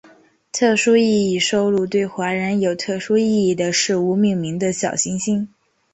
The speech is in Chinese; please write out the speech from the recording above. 特殊意义收录对华人有特殊意义的事物命名的小行星。